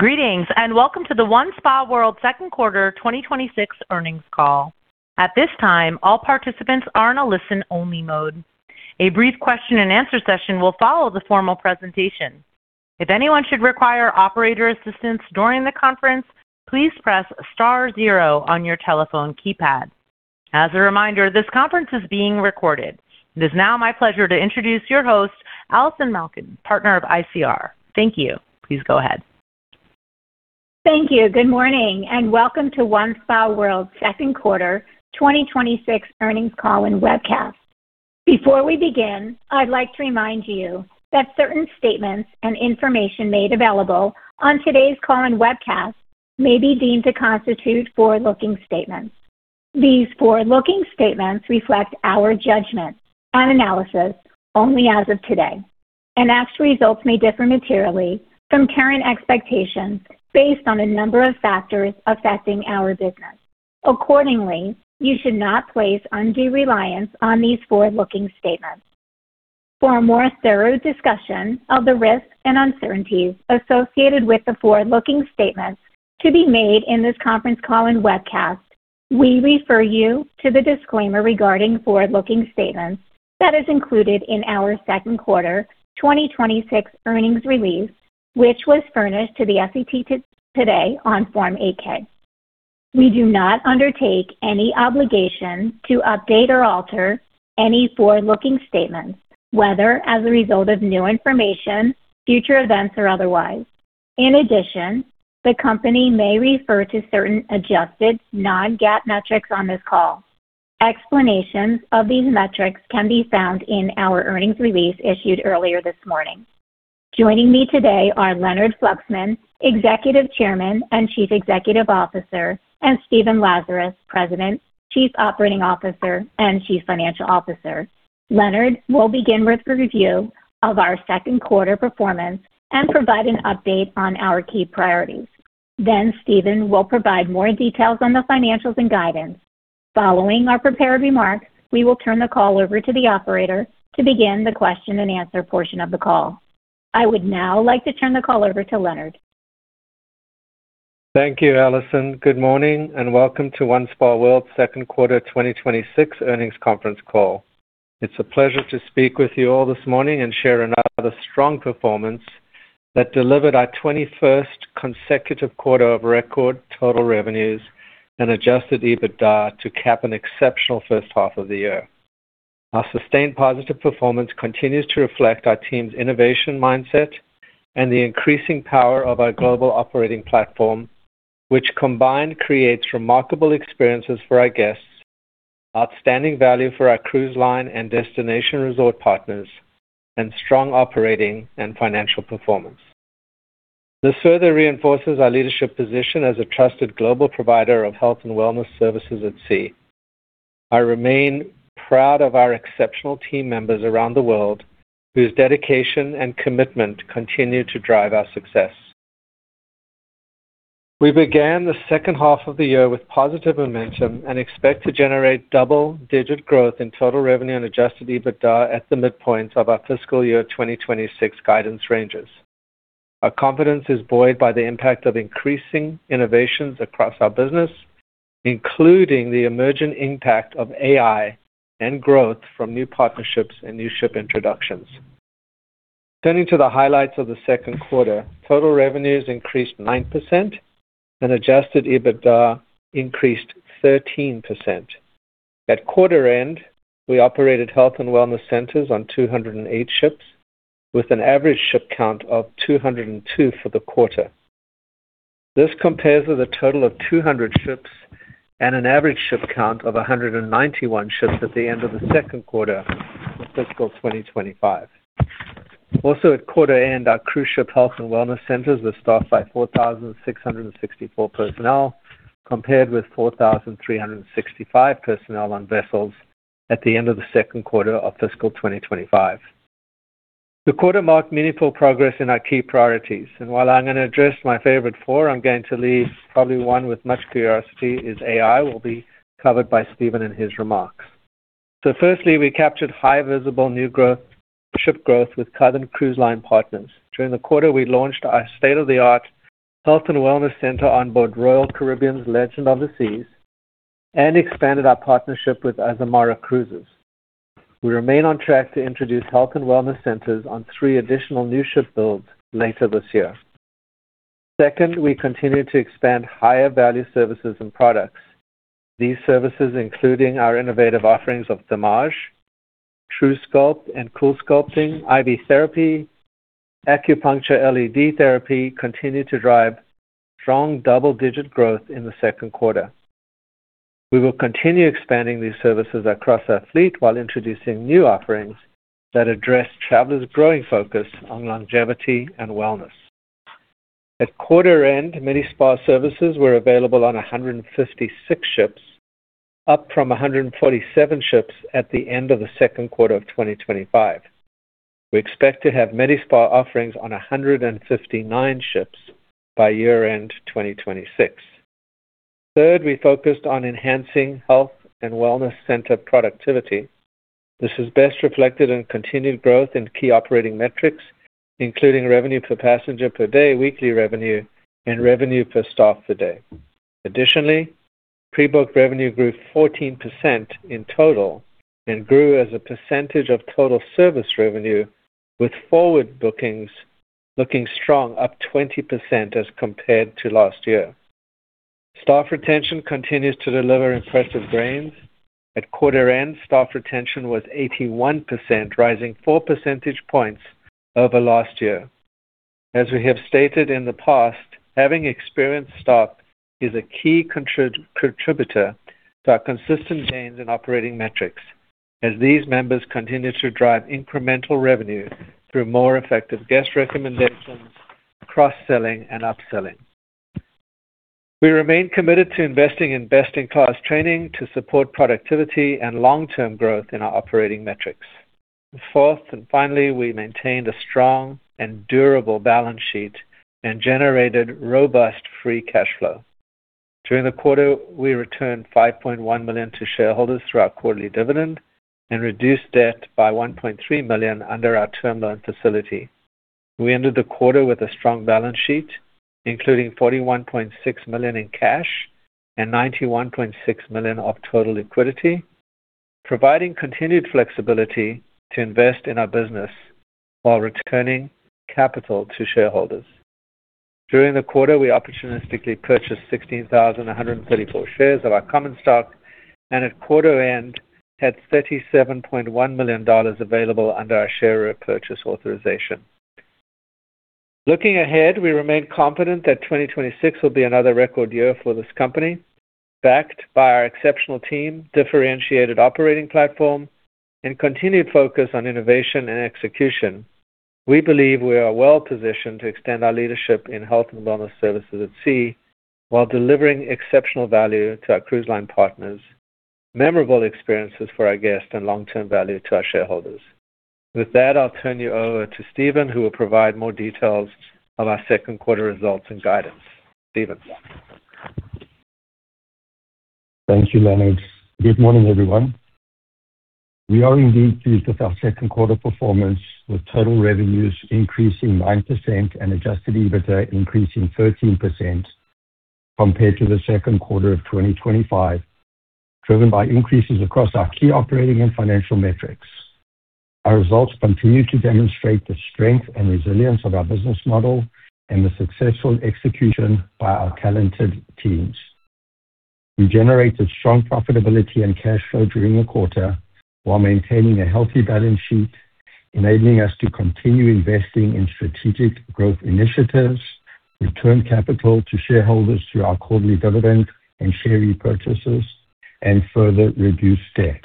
Greetings, welcome to the OneSpaWorld second quarter 2026 earnings call. At this time, all participants are in a listen-only mode. A brief question and answer session will follow the formal presentation. If anyone should require operator assistance during the conference, please press star zero on your telephone keypad. As a reminder, this conference is being recorded. It is now my pleasure to introduce your host, Allison Malkin, partner of ICR. Thank you. Please go ahead. Thank you. Good morning, welcome to OneSpaWorld second quarter 2026 earnings call and webcast. Before we begin, I'd like to remind you that certain statements and information made available on today's call and webcast may be deemed to constitute forward-looking statements. These forward-looking statements reflect our judgment on analysis only as of today. Actual results may differ materially from current expectations based on a number of factors affecting our business. Accordingly, you should not place undue reliance on these forward-looking statements. For a more thorough discussion of the risks and uncertainties associated with the forward-looking statements to be made in this conference call and webcast, we refer you to the disclaimer regarding forward-looking statements that is included in our second quarter 2026 earnings release, which was furnished to the SEC today on Form 8-K. We do not undertake any obligation to update or alter any forward-looking statements, whether as a result of new information, future events, or otherwise. In addition, the company may refer to certain adjusted non-GAAP metrics on this call. Explanations of these metrics can be found in our earnings release issued earlier this morning. Joining me today are Leonard Fluxman, Executive Chairman and Chief Executive Officer, and Stephen Lazarus, President, Chief Operating Officer, and Chief Financial Officer. Leonard will begin with a review of our second quarter performance and provide an update on our key priorities. Stephen will provide more details on the financials and guidance. Following our prepared remarks, we will turn the call over to the operator to begin the question and answer portion of the call. I would now like to turn the call over to Leonard. Thank you, Allison. Good morning, welcome to OneSpaWorld second quarter 2026 earnings conference call. It's a pleasure to speak with you all this morning and share another strong performance that delivered our 21st consecutive quarter of record total revenues and adjusted EBITDA to cap an exceptional first half of the year. Our sustained positive performance continues to reflect our team's innovation mindset and the increasing power of our global operating platform, which combined creates remarkable experiences for our guests, outstanding value for our cruise line and destination resort partners, strong operating and financial performance. This further reinforces our leadership position as a trusted global provider of health and wellness services at sea. I remain proud of our exceptional team members around the world, whose dedication and commitment continue to drive our success. We began the second half of the year with positive momentum and expect to generate double-digit growth in total revenue and adjusted EBITDA at the midpoints of our fiscal year 2026 guidance ranges. Our confidence is buoyed by the impact of increasing innovations across our business, including the emerging impact of AI and growth from new partnerships and new ship introductions. Turning to the highlights of the second quarter. Total revenues increased 9% and adjusted EBITDA increased 13%. At quarter end, we operated health and wellness centers on 208 ships with an average ship count of 202 for the quarter. This compares with a total of 200 ships and an average ship count of 191 ships at the end of the second quarter of fiscal 2025. Also at quarter end, our cruise ship health and wellness centers were staffed by 4,664 personnel, compared with 4,365 personnel on vessels at the end of the second quarter of fiscal 2025. The quarter marked meaningful progress in our key priorities, and while I'm going to address my favorite four, I'm going to leave probably one with much curiosity is AI will be covered by Stephen in his remarks. Firstly, we captured high visible new ship growth with current cruise line partners. During the quarter, we launched our state-of-the-art health and wellness center on board Royal Caribbean's Legend of the Seas and expanded our partnership with Azamara Cruises. We remain on track to introduce health and wellness centers on three additional new ship builds later this year. Second, we continue to expand higher value services and products. These services, including our innovative offerings of Thermage, truSculpt and CoolSculpting, IV therapy, acupuncture, LED therapy, continue to drive strong double-digit growth in the second quarter. We will continue expanding these services across our fleet while introducing new offerings that address travelers' growing focus on longevity and wellness. At quarter end, Medi-Spa services were available on 156 ships, up from 147 ships at the end of the second quarter of 2025. We expect to have Medi-Spa offerings on 159 ships by year-end 2026. Third, we focused on enhancing health and wellness center productivity. This is best reflected in continued growth in key operating metrics, including revenue per passenger per day, weekly revenue, and revenue per staff per day. Additionally, pre-booked revenue grew 14% in total and grew as a percentage of total service revenue, with forward bookings looking strong, up 20% as compared to last year. Staff retention continues to deliver impressive gains. At quarter end, staff retention was 81%, rising four percentage points over last year. As we have stated in the past, having experienced staff is a key contributor to our consistent gains in operating metrics, as these members continue to drive incremental revenue through more effective guest recommendations, cross-selling, and upselling. We remain committed to investing in best-in-class training to support productivity and long-term growth in our operating metrics. Fourth, finally, we maintained a strong and durable balance sheet and generated robust free cash flow. During the quarter, we returned $5.1 million to shareholders through our quarterly dividend and reduced debt by $1.3 million under our term loan facility. We ended the quarter with a strong balance sheet, including $41.6 million in cash and $91.6 million of total liquidity, providing continued flexibility to invest in our business while returning capital to shareholders. During the quarter, we opportunistically purchased 16,134 shares of our common stock, and at quarter end had $37.1 million available under our share repurchase authorization. Looking ahead, we remain confident that 2026 will be another record year for this company. Backed by our exceptional team, differentiated operating platform, and continued focus on innovation and execution, we believe we are well-positioned to extend our leadership in health and wellness services at sea while delivering exceptional value to our cruise line partners, memorable experiences for our guests, and long-term value to our shareholders. With that, I'll turn you over to Stephen, who will provide more details of our second quarter results and guidance. Stephen. Thank you, Leonard. Good morning, everyone. We are indeed pleased with our second quarter performance, with total revenues increasing 9% and adjusted EBITDA increasing 13% compared to the second quarter of 2025, driven by increases across our key operating and financial metrics. Our results continue to demonstrate the strength and resilience of our business model and the successful execution by our talented teams. We generated strong profitability and cash flow during the quarter while maintaining a healthy balance sheet, enabling us to continue investing in strategic growth initiatives, return capital to shareholders through our quarterly dividend and share repurchases, and further reduce debt.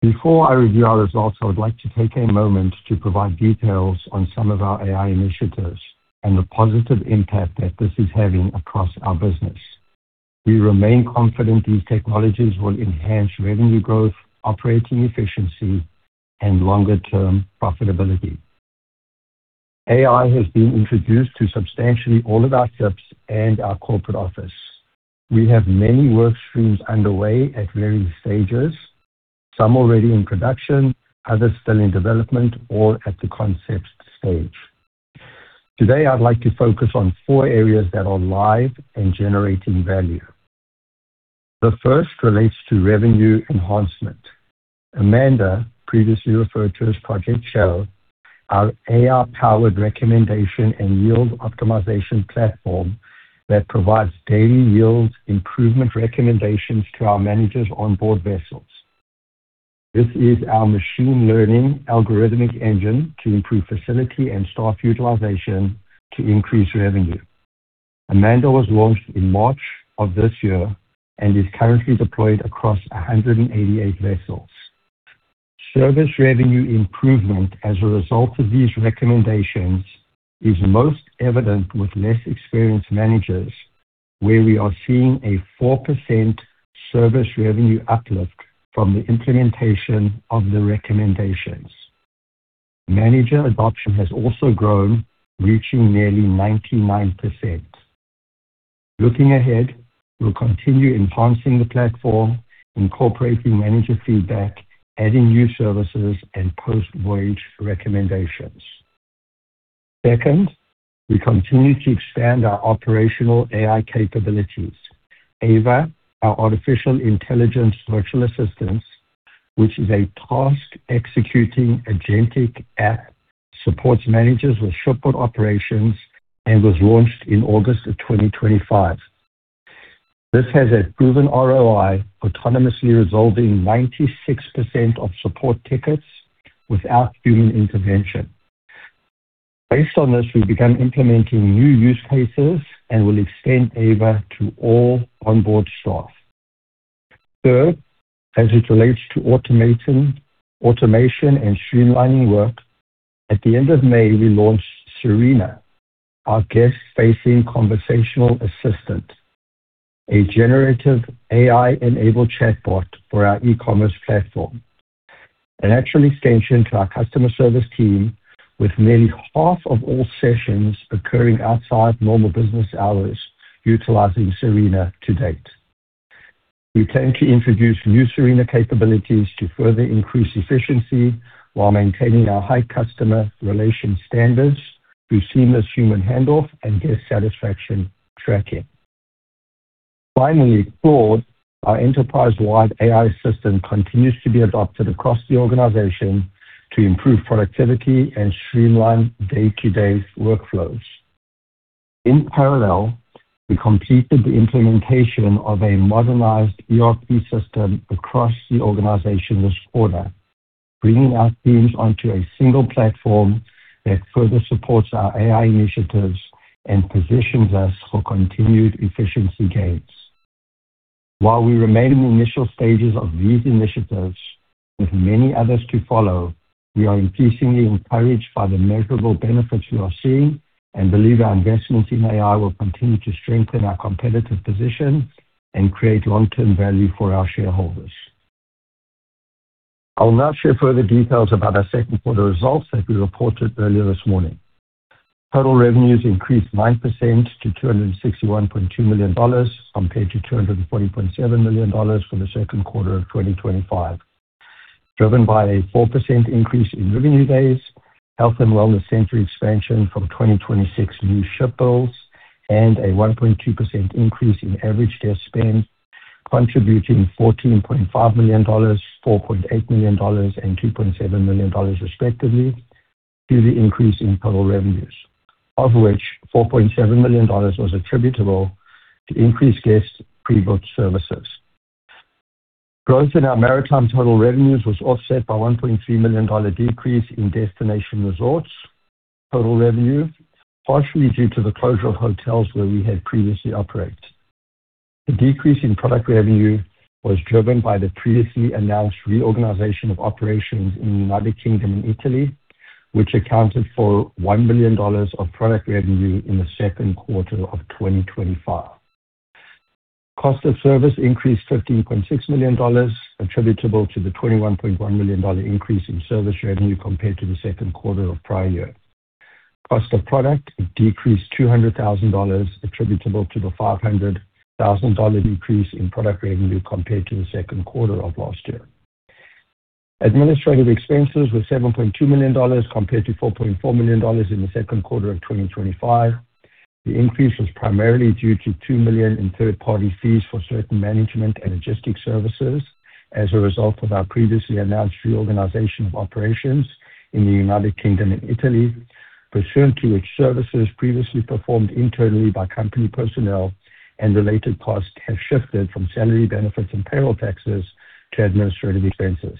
Before I review our results, I would like to take a moment to provide details on some of our AI initiatives and the positive impact that this is having across our business. We remain confident these technologies will enhance revenue growth, operating efficiency, and longer-term profitability. AI has been introduced to substantially all of our ships and our corporate office. We have many work streams underway at varying stages, some already in production, others still in development or at the concept stage. Today, I'd like to focus on four areas that are live and generating value. The first relates to revenue enhancement. Amanda, previously referred to as Project Shell, our AI-powered recommendation and yield optimization platform that provides daily yield improvement recommendations to our managers onboard vessels. This is our machine learning algorithmic engine to improve facility and staff utilization to increase revenue. Amanda was launched in March of this year and is currently deployed across 188 vessels. Service revenue improvement as a result of these recommendations is most evident with less experienced managers, where we are seeing a 4% service revenue uplift from the implementation of the recommendations. Manager adoption has also grown, reaching nearly 99%. Looking ahead, we'll continue enhancing the platform, incorporating manager feedback, adding new services, and post-voyage recommendations. Second, we continue to expand our operational AI capabilities. Ava, our artificial intelligence virtual assistant, which is a task-executing agentic app, supports managers with shipboard operations and was launched in August of 2025. This has a proven ROI, autonomously resolving 96% of support tickets without human intervention. Based on this, we began implementing new use cases and will extend Ava to all onboard staff. Third, as it relates to automation and streamlining work, at the end of May, we launched Serena, our guest-facing conversational assistant, a generative AI-enabled chatbot for our e-commerce platform. A natural extension to our customer service team with nearly half of all sessions occurring outside normal business hours utilizing Serena to date. We plan to introduce new Serena capabilities to further increase efficiency while maintaining our high customer relation standards through seamless human handoff and guest satisfaction tracking. Finally, Claude, our enterprise-wide AI system, continues to be adopted across the organization to improve productivity and streamline day-to-day workflows. In parallel, we completed the implementation of a modernized ERP system across the organization this quarter, bringing our teams onto a single platform that further supports our AI initiatives and positions us for continued efficiency gains. While we remain in the initial stages of these initiatives with many others to follow, we are increasingly encouraged by the measurable benefits we are seeing and believe our investments in AI will continue to strengthen our competitive position and create long-term value for our shareholders. I will now share further details about our second quarter results that we reported earlier this morning. Total revenues increased 9% to $261.2 million compared to $240.7 million for the second quarter of 2025, driven by a 4% increase in revenue base, health and wellness center expansion from 2026 new ship builds, and a 1.2% increase in average guest spend, contributing $14.5 million, $4.8 million and $2.7 million respectively to the increase in total revenues. Of which $4.7 million was attributable to increased guest pre-booked services. Growth in our maritime total revenues was offset by $1.3 million decrease in destination resorts total revenue, partially due to the closure of hotels where we had previously operated. The decrease in product revenue was driven by the previously announced reorganization of operations in the U.K. and Italy, which accounted for $1 million of product revenue in the second quarter of 2025. Cost of service increased $15.6 million, attributable to the $21.1 million increase in service revenue compared to the second quarter of prior year. Cost of product decreased $200,000 attributable to the $500,000 increase in product revenue compared to the second quarter of last year. Administrative expenses were $7.2 million compared to $4.4 million in the second quarter of 2025. The increase was primarily due to 2 million in third-party fees for certain management and logistics services as a result of our previously announced reorganization of operations in the U.K. and Italy pursuant to which services previously performed internally by company personnel and related costs have shifted from salary benefits and payroll taxes to administrative expenses.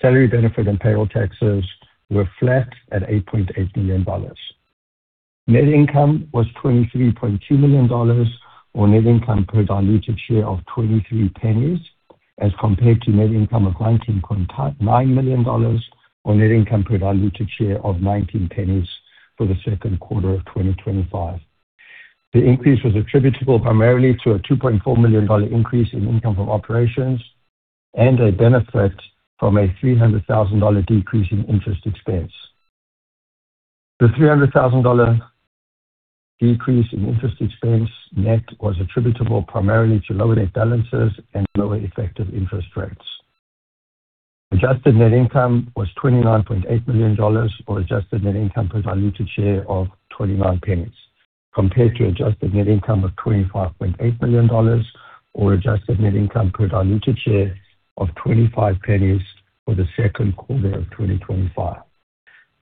Salary benefit and payroll taxes were flat at $8.8 million. Net income was $23.2 million, or net income per diluted share of $0.23, as compared to net income of $19.9 million or net income per diluted share of $0.19 for the second quarter of 2025. The increase was attributable primarily to a $2.4 million increase in income from operations and a benefit from a $300,000 decrease in interest expense. The $300,000 decrease in interest expense net was attributable primarily to lower net balances and lower effective interest rates. Adjusted net income was $29.8 million or adjusted net income per diluted share of $0.29 compared to adjusted net income of $25.8 million or adjusted net income per diluted share of $0.25 for the second quarter of 2025.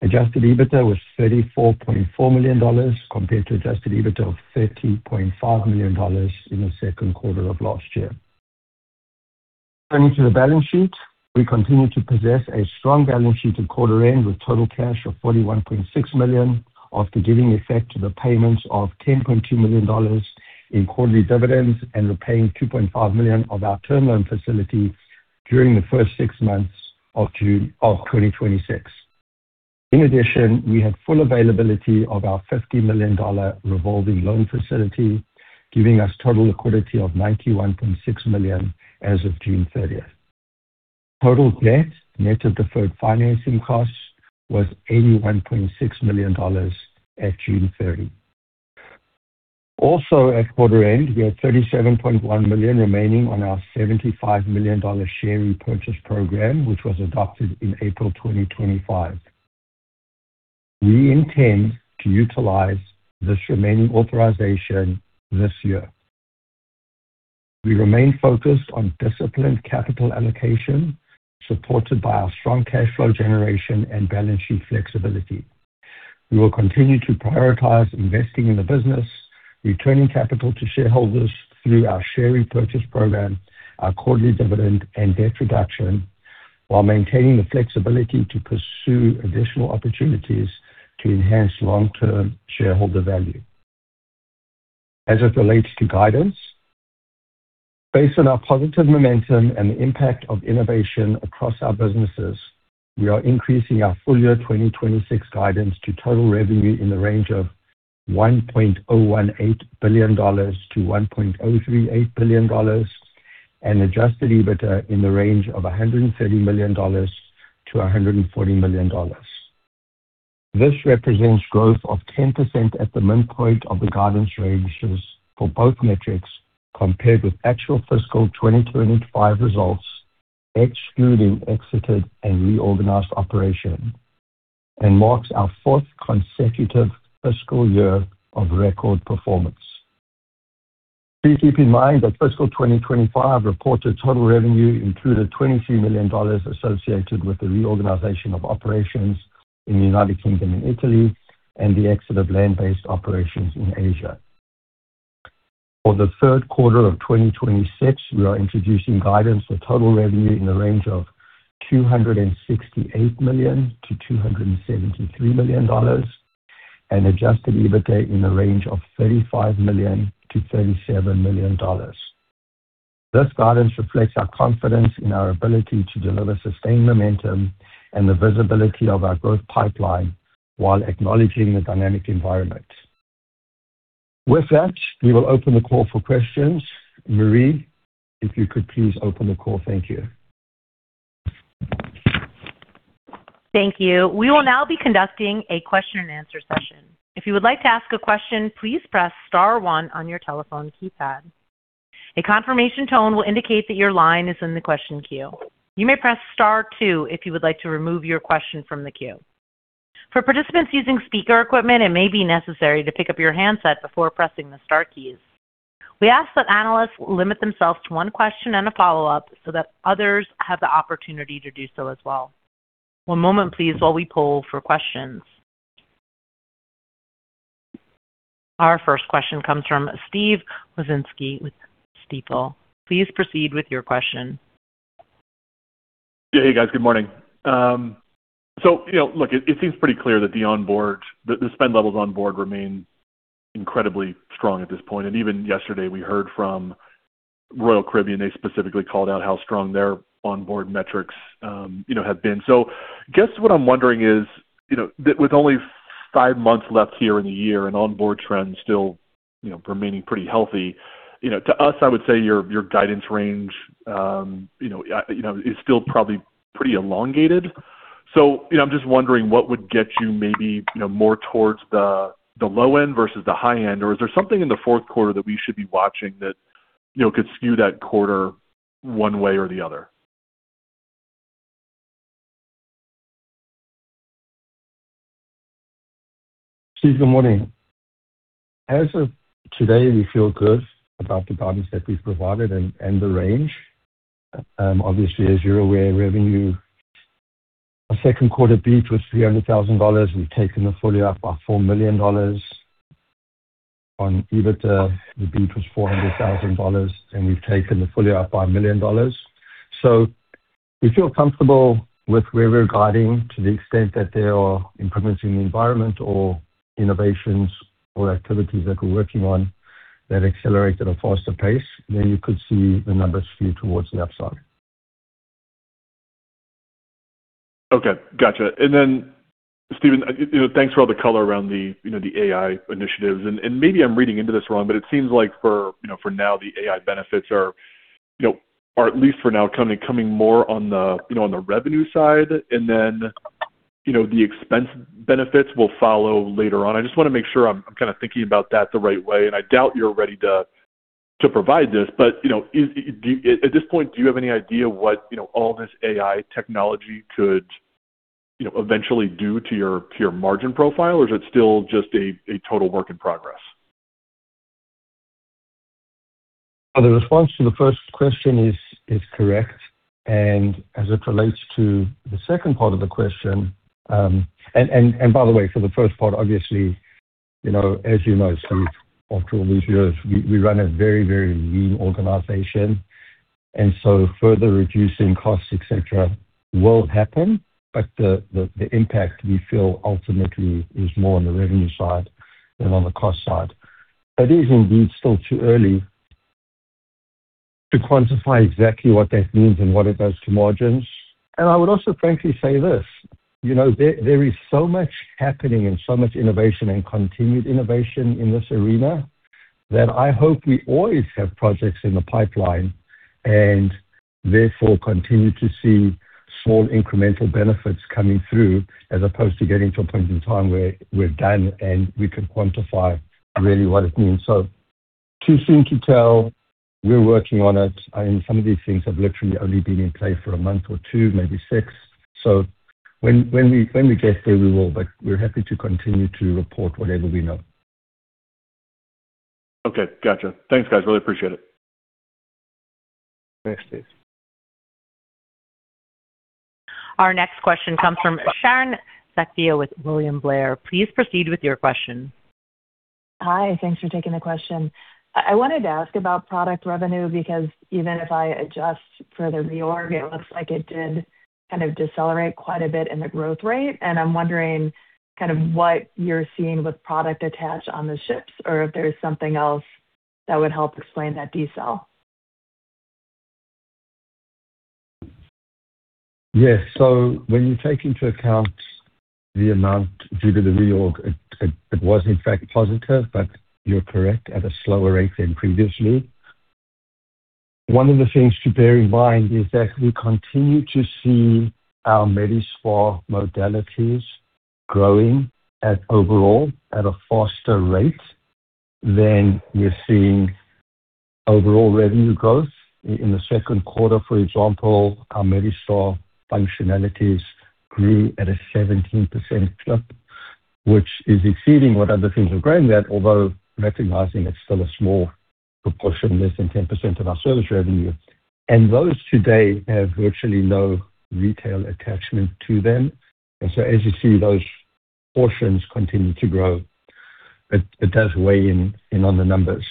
Adjusted EBITDA was $34.4 million compared to Adjusted EBITDA of $30.5 million in the second quarter of last year. Turning to the balance sheet. We continue to possess a strong balance sheet at quarter end with total cash of $41.6 million after giving effect to the payments of $10.2 million in quarterly dividends and repaying $2.5 million of our term loan facility during the first six months of June of 2026. In addition, we have full availability of our $50 million revolving loan facility, giving us total liquidity of $91.6 million as of June 30th. Total debt, net of deferred financing costs, was $81.6 million at June 30. Also at quarter end, we had $37.1 million remaining on our $75 million share repurchase program, which was adopted in April 2025. We intend to utilize this remaining authorization this year. We remain focused on disciplined capital allocation, supported by our strong cash flow generation and balance sheet flexibility. We will continue to prioritize investing in the business, returning capital to shareholders through our share repurchase program, our quarterly dividend, and debt reduction while maintaining the flexibility to pursue additional opportunities to enhance long-term shareholder value. As it relates to guidance, based on our positive momentum and the impact of innovation across our businesses, we are increasing our full-year 2026 guidance to total revenue in the range of $1.018 billion to $1.038 billion and adjusted EBITDA in the range of $130 million to $140 million. This represents growth of 10% at the midpoint of the guidance ranges for both metrics compared with actual fiscal 2025 results, excluding exited and reorganized operations, and marks our fourth consecutive fiscal year of record performance. Please keep in mind that fiscal 2025 reported total revenue included $23 million associated with the reorganization of operations in the United Kingdom and Italy and the exit of land-based operations in Asia. For the third quarter of 2026, we are introducing guidance for total revenue in the range of $268 million to $273 million and adjusted EBITDA in the range of $35 million to $37 million. This guidance reflects our confidence in our ability to deliver sustained momentum and the visibility of our growth pipeline while acknowledging the dynamic environment. With that, we will open the call for questions. Marie, if you could please open the call. Thank you. Thank you. We will now be conducting a question and answer session. If you would like to ask a question, please press star one on your telephone keypad. A confirmation tone will indicate that your line is in the question queue. You may press star two if you would like to remove your question from the queue. For participants using speaker equipment, it may be necessary to pick up your handset before pressing the star keys. We ask that analysts limit themselves to one question and a follow-up so that others have the opportunity to do so as well. One moment, please, while we poll for questions. Our first question comes from Steve Wieczynski with Stifel. Please proceed with your question. Hey, guys. Good morning. Look, it seems pretty clear that the spend levels on board remain incredibly strong at this point. Even yesterday, we heard from Royal Caribbean, they specifically called out how strong their onboard metrics have been. I guess what I'm wondering is, with only five months left here in the year and onboard trends still remaining pretty healthy, to us, I would say your guidance range is still probably pretty elongated. I'm just wondering what would get you maybe more towards the low end versus the high end, or is there something in the fourth quarter that we should be watching that could skew that quarter one way or the other? Steve, good morning. As of today, we feel good about the guidance that we've provided and the range. Obviously, as you're aware, revenue second quarter beat was $300,000. We've taken the full year up by $4 million on EBITDA. The beat was $400,000, and we've taken the full year up by $1 million. We feel comfortable with where we're guiding to the extent that there are improvements in the environment or innovations or activities that we're working on that accelerate at a faster pace, you could see the numbers skew towards the upside. Okay, got you. Stephen, thanks for all the color around the AI initiatives. Maybe I'm reading into this wrong, but it seems like for now, the AI benefits are at least for now, coming more on the revenue side, the expense benefits will follow later on. I just want to make sure I'm thinking about that the right way, and I doubt you're ready to provide this. At this point, do you have any idea what all this AI technology could eventually do to your margin profile, or is it still just a total work in progress? The response to the first question is correct. As it relates to the second part of the question-- By the way, for the first part, obviously, as you know Steve, after all these years, we run a very, very lean organization, further reducing costs, et cetera, will happen. The impact we feel ultimately is more on the revenue side than on the cost side. It is indeed still too early to quantify exactly what that means and what it does to margins. I would also frankly say this, there is so much happening and so much innovation and continued innovation in this arena that I hope we always have projects in the pipeline continue to see small incremental benefits coming through as opposed to getting to a point in time where we're done and we can quantify really what it means. Too soon to tell. We're working on it. Some of these things have literally only been in play for a month or two, maybe six. When we get there, we will. We're happy to continue to report whatever we know. Okay, got you. Thanks, guys. Really appreciate it. Thanks, Steve. Our next question comes from Sharon Zackfia with William Blair. Please proceed with your question. Hi. Thanks for taking the question. I wanted to ask about product revenue because even if I adjust for the reorg, it looks like it did kind of decelerate quite a bit in the growth rate. I'm wondering what you're seeing with product attach on the ships or if there's something else that would help explain that decel. Yes. When you take into account the amount due to the reorg, it was in fact positive, but you're correct, at a slower rate than previously. One of the things to bear in mind is that we continue to see our Medi-Spa modalities growing overall at a faster rate than we're seeing overall revenue growth. In the second quarter, for example, our Medi-Spa functionalities grew at a 17% clip, which is exceeding what other things are growing at, although recognizing it's still a small proportion, less than 10% of our service revenue. Those today have virtually no retail attachment to them. So as you see, those portions continue to grow. It does weigh in on the numbers.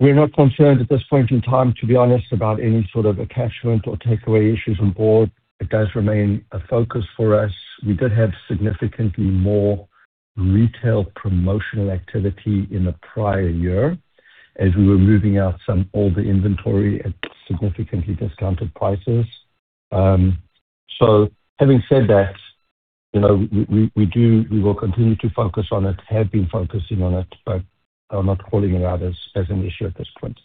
We're not concerned at this point in time, to be honest, about any sort of attachment or takeaway issues on board. It does remain a focus for us. We did have significantly more retail promotional activity in the prior year as we were moving out some older inventory at significantly discounted prices. Having said that, we will continue to focus on it, have been focusing on it, but are not calling it out as an issue at this point.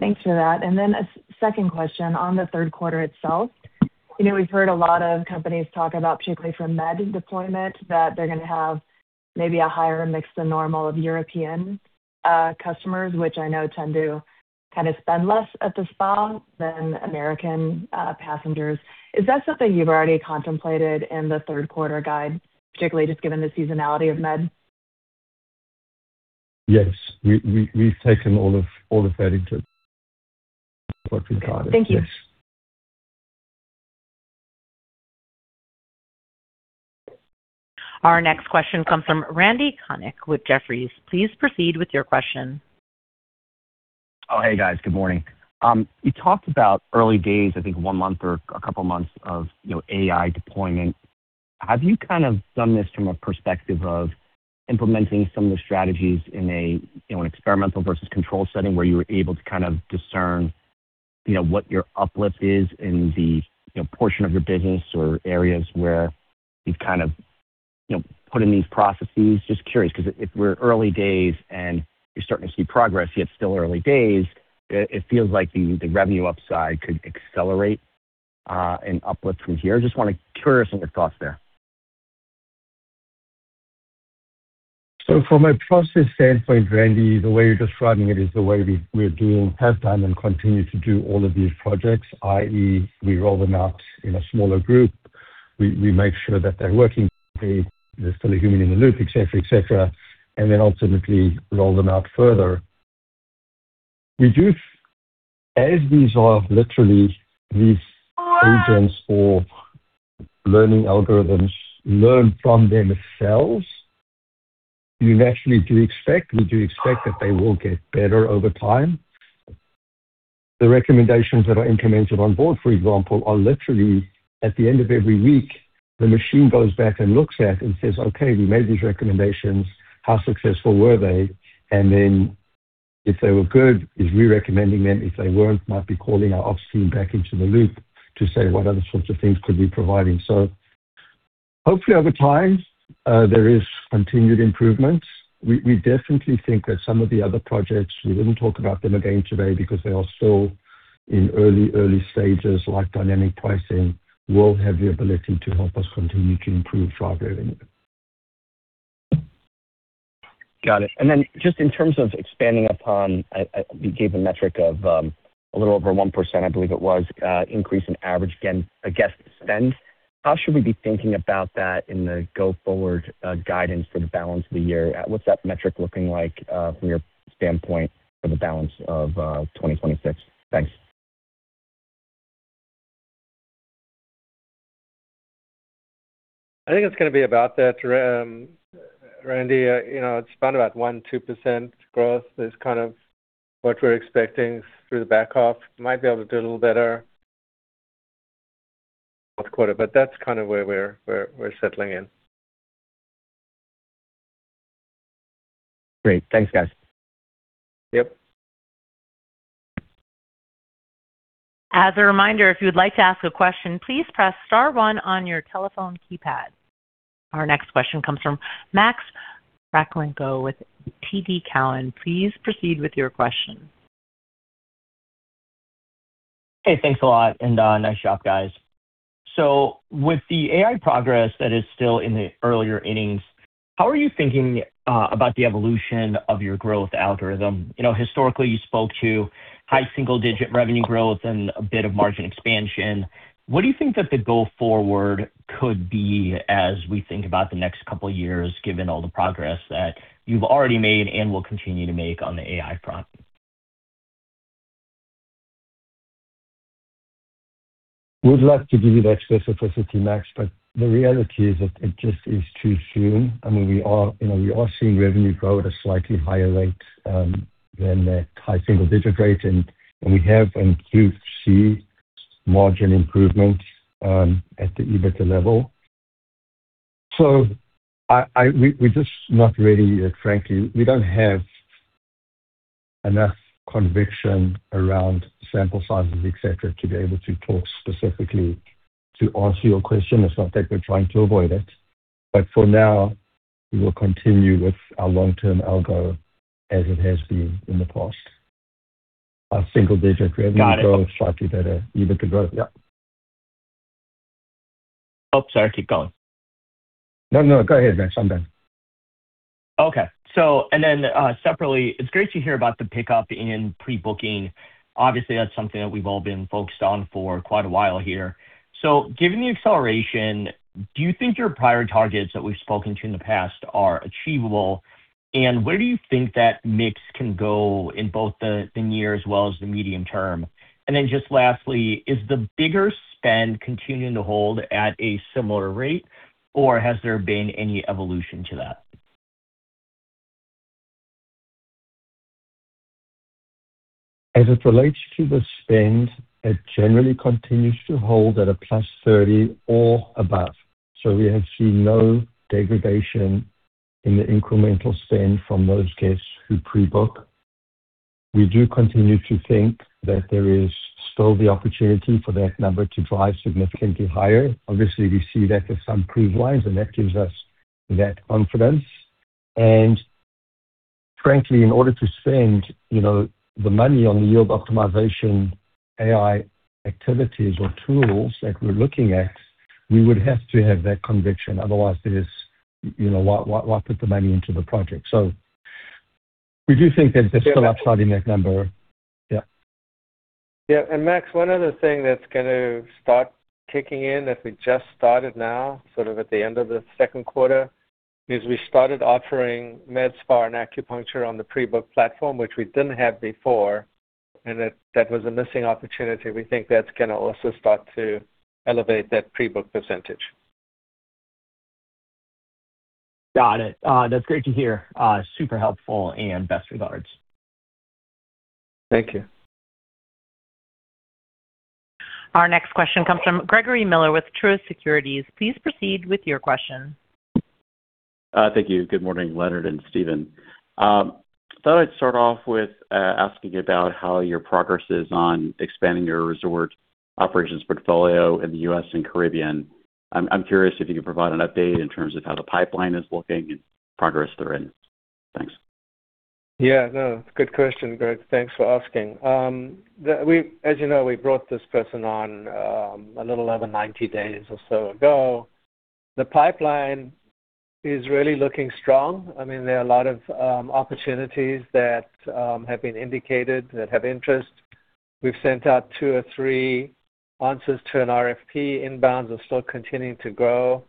Thanks for that. A second question on the third quarter itself. We've heard a lot of companies talk about, particularly for MED deployment, that they're going to have maybe a higher mix than normal of European customers, which I know tend to spend less at the spa than American passengers. Is that something you've already contemplated in the third quarter guide, particularly just given the seasonality of MED? Yes. We've taken all of that into what we guided. Yes. Thank you. Our next question comes from Randy Konik with Jefferies. Please proceed with your question. Hey guys. Good morning. You talked about early days, I think one month or a couple of months of AI deployment. Have you done this from a perspective of implementing some of the strategies in an experimental versus control setting where you were able to discern what your uplift is in the portion of your business or areas where you've put in these processes? Just curious, because if we're early days and you're starting to see progress, yet still early days, it feels like the revenue upside could accelerate an uplift from here. Just want to curious on your thoughts there. From a process standpoint, Randy, the way you're describing it is the way we're doing, have done, and continue to do all of these projects, i.e., we roll them out in a smaller group. We make sure that they're working, there's still a human in the loop, et cetera. Ultimately roll them out further. As these are literally these agents or learning algorithms learn from themselves, we naturally do expect that they will get better over time. The recommendations that are implemented on board, for example, are literally at the end of every week, the machine goes back and looks at and says, "Okay, we made these recommendations. How successful were they?" If they were good, is re-recommending them. If they weren't, might be calling our ops team back into the loop to say what other sorts of things could we be providing. Hopefully over time, there is continued improvement. We definitely think that some of the other projects, we didn't talk about them again today because they are still in early stages, like dynamic pricing, will have the ability to help us continue to improve driver revenue. Got it. Just in terms of expanding upon, you gave a metric of a little over 1%, I believe it was, increase in average guest spend. How should we be thinking about that in the go forward guidance for the balance of the year? What's that metric looking like from your standpoint for the balance of 2026? Thanks. I think it's going to be about that, Randy. It's about 1%-2% growth is what we're expecting through the back half. Might be able to do a little better quarter, but that's where we're settling in. Great. Thanks, guys. Yep. As a reminder, if you would like to ask a question, please press star one on your telephone keypad. Our next question comes from Max Rakhlenko with TD Cowen. Please proceed with your question. Hey, thanks a lot and nice job, guys. With the AI progress that is still in the earlier innings, how are you thinking about the evolution of your growth algorithm? Historically, you spoke to high single-digit revenue growth and a bit of margin expansion. What do you think that the go forward could be as we think about the next couple of years, given all the progress that you've already made and will continue to make on the AI front? We'd love to give you that specificity, Max, but the reality is that it just is too soon. We are seeing revenue grow at a slightly higher rate than that high single-digit rate. We have and do see margin improvement at the EBITDA level. We're just not ready yet, frankly. We don't have enough conviction around sample sizes, et cetera, to be able to talk specifically to answer your question. It's not that we're trying to avoid it, but for now, we will continue with our long-term algo as it has been in the past. Got it. growth, slightly better EBITDA growth. Yep. Oh, sorry. Keep going. No, no. Go ahead, Max. I'm done. Okay. Separately, it's great to hear about the pickup in pre-booking. Obviously, that's something that we've all been focused on for quite a while here. Given the acceleration, do you think your prior targets that we've spoken to in the past are achievable? Where do you think that mix can go in both the near as well as the medium term? Just lastly, is the bigger spend continuing to hold at a similar rate, or has there been any evolution to that? As it relates to the spend, it generally continues to hold at a +30 or above. We have seen no degradation in the incremental spend from those guests who pre-book. We do continue to think that there is still the opportunity for that number to drive significantly higher. Obviously, we see that with some cruise lines, and that gives us that confidence. Frankly, in order to spend the money on yield optimization, AI activities or tools that we're looking at, we would have to have that conviction. Otherwise, why put the money into the project? We do think that there's still upside in that number. Yeah. Yeah. Max, one other thing that's going to start kicking in, that we just started now, sort of at the end of the second quarter, is we started offering Medi-Spa and acupuncture on the pre-book platform, which we didn't have before, and that was a missing opportunity. We think that's going to also start to elevate that pre-book percentage. Got it. That's great to hear. Super helpful, best regards. Thank you. Our next question comes from Gregory Miller with Truist Securities. Please proceed with your question. Thank you. Good morning, Leonard and Stephen. Thought I'd start off with asking about how your progress is on expanding your resort operations portfolio in the U.S. and Caribbean. I'm curious if you could provide an update in terms of how the pipeline is looking and progress therein. Thanks. Yeah, no. Good question, Greg. Thanks for asking. As you know, we brought this person on a little over 90 days or so ago. The pipeline is really looking strong. There are a lot of opportunities that have been indicated that have interest. We've sent out two or three answers to an RFP. Inbounds are still continuing to grow.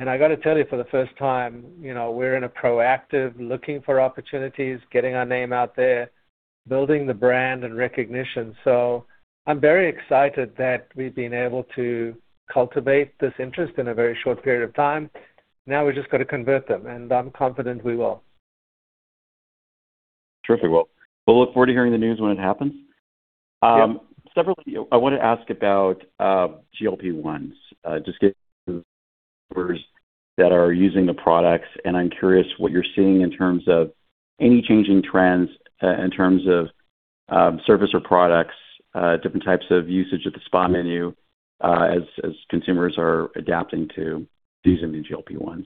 I got to tell you, for the first time, we're in a proactive, looking for opportunities, getting our name out there, building the brand and recognition. I'm very excited that we've been able to cultivate this interest in a very short period of time. Now we've just got to convert them, and I'm confident we will. Terrific. Well, we'll look forward to hearing the news when it happens. Yep. Separately, I want to ask about GLP-1s. Just guests that are using the products, and I'm curious what you're seeing in terms of any changing trends in terms of service or products, different types of usage at the spa menu, as consumers are adapting to using the GLP-1s.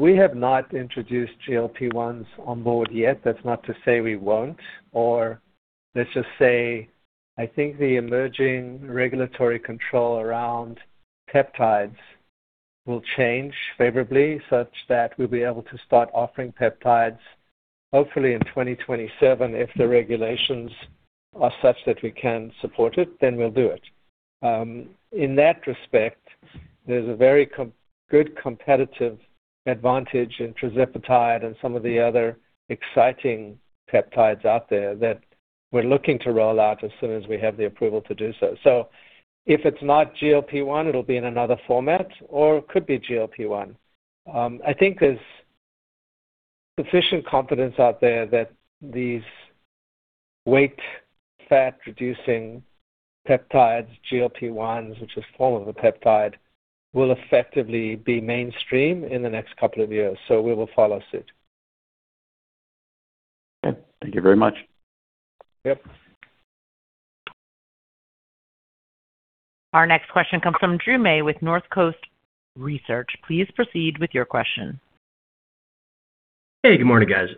We have not introduced GLP-1s on board yet. That's not to say we won't, or let's just say, I think the emerging regulatory control around peptides will change favorably such that we'll be able to start offering peptides hopefully in 2027. If the regulations are such that we can support it, then we'll do it. In that respect, there's a very good competitive advantage in tirzepatide and some of the other exciting peptides out there that we're looking to roll out as soon as we have the approval to do so. If it's not GLP-1, it'll be in another format, or it could be GLP-1. I think there's sufficient confidence out there that these weight, fat-reducing peptides, GLP-1s, which is a form of a peptide, will effectively be mainstream in the next couple of years. We will follow suit. Okay. Thank you very much. Yep. Our next question comes from Drew May with Northcoast Research. Please proceed with your question. Hey, good morning, guys.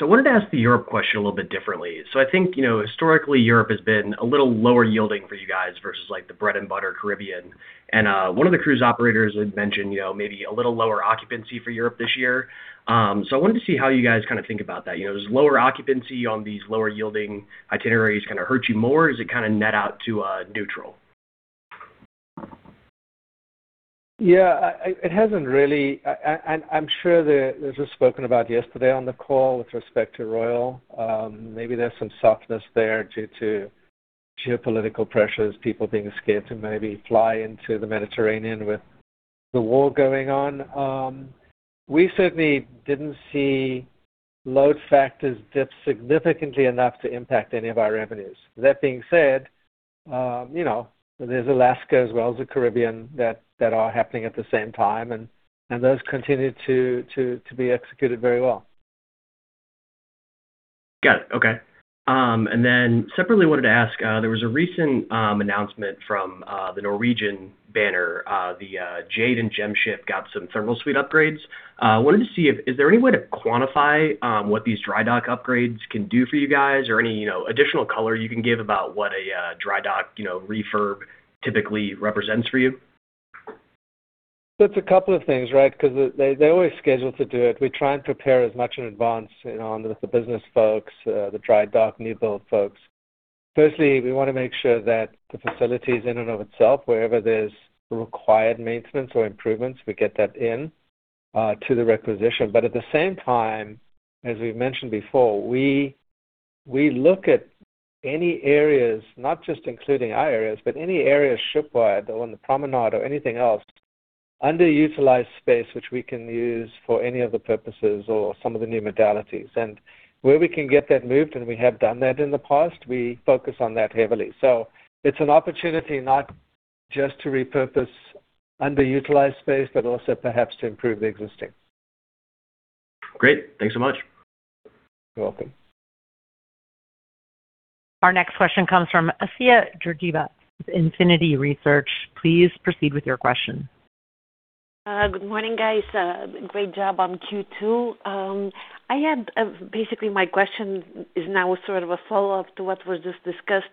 I wanted to ask the Europe question a little bit differently. I think historically, Europe has been a little lower yielding for you guys versus like the bread and butter Caribbean. One of the cruise operators had mentioned maybe a little lower occupancy for Europe this year. I wanted to see how you guys think about that. Does lower occupancy on these lower yielding itineraries hurt you more? Is it net out to neutral? Yeah, it hasn't really. I'm sure this was spoken about yesterday on the call with respect to Royal. Maybe there's some softness there due to geopolitical pressures, people being scared to maybe fly into the Mediterranean with the war going on. We certainly didn't see load factors dip significantly enough to impact any of our revenues. That being said, there's Alaska as well as the Caribbean that are happening at the same time, those continue to be executed very well. Got it. Okay. Separately wanted to ask, there was a recent announcement from the Norwegian banner. The Jade and Gem ship got some thermal suite upgrades. Wanted to see, is there any way to quantify what these dry dock upgrades can do for you guys or any additional color you can give about what a dry dock refurb typically represents for you? It's a couple of things, right? Because they always schedule to do it. We try and prepare as much in advance with the business folks, the dry dock new build folks. Firstly, we want to make sure that the facilities in and of itself, wherever there's required maintenance or improvements, we get that in to the requisition. At the same time, as we've mentioned before, we look at any areas, not just including our areas, but any areas ship wide or on the promenade or anything else, underutilized space, which we can use for any other purposes or some of the new modalities. Where we can get that moved, and we have done that in the past, we focus on that heavily. It's an opportunity not just to repurpose underutilized space, but also perhaps to improve the existing. Great. Thanks so much. You're welcome. Our next question comes from Assia Georgieva with Infinity Research. Please proceed with your question. Good morning, guys. Great job on Q2. Basically, my question is now sort of a follow-up to what was just discussed.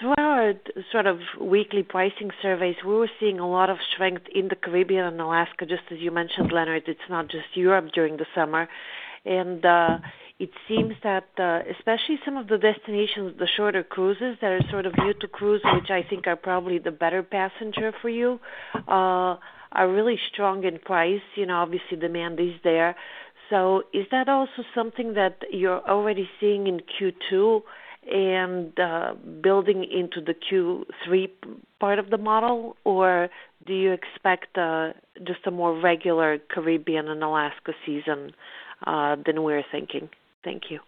Throughout sort of weekly pricing surveys, we were seeing a lot of strength in the Caribbean and Alaska, just as you mentioned, Leonard. It's not just Europe during the summer. It seems that especially some of the destinations, the shorter cruises that are sort of new to cruise, which I think are probably the better passenger for you, are really strong in price. Obviously, demand is there. Is that also something that you're already seeing in Q2 and building into the Q3 part of the model, or do you expect just a more regular Caribbean and Alaska season than we're thinking? Thank you.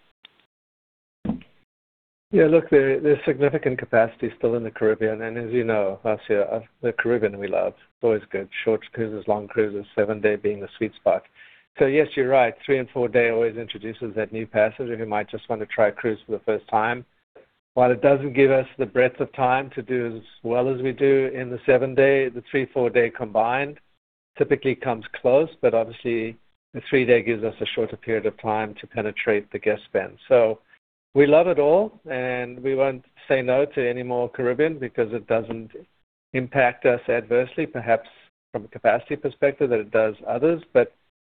Yeah, look, there's significant capacity still in the Caribbean, as you know, Assia, the Caribbean we love. It's always good. Short cruises, long cruises, seven-day being the sweet spot. Yes, you're right. Three- and four-day always introduces that new passenger who might just want to try a cruise for the first time. While it doesn't give us the breadth of time to do as well as we do in the seven-day, the three, four-day combined typically comes close. Obviously, the three-day gives us a shorter period of time to penetrate the guest spend. We love it all, and we won't say no to any more Caribbean because it doesn't impact us adversely, perhaps from a capacity perspective, that it does others.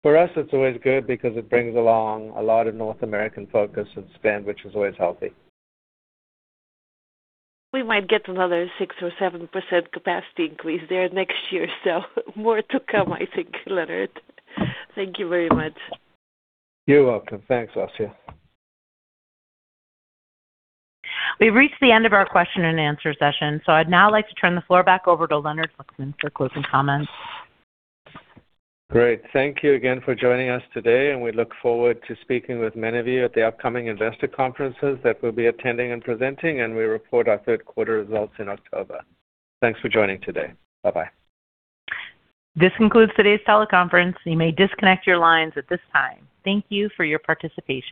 For us, it's always good because it brings along a lot of North American focus and spend, which is always healthy. We might get another 6% or 7% capacity increase there next year. More to come, I think, Leonard. Thank you very much. You're welcome. Thanks, Assia. We've reached the end of our question and answer session. I'd now like to turn the floor back over to Leonard Fluxman for closing comments. Great. Thank you again for joining us today. We look forward to speaking with many of you at the upcoming investor conferences that we'll be attending and presenting. We report our third quarter results in October. Thanks for joining today. Bye-bye. This concludes today's teleconference. You may disconnect your lines at this time. Thank you for your participation.